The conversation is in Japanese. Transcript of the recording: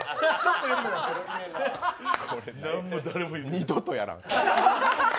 二度とやらん！